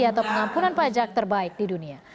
atau pengampunan pajak terbaik di dunia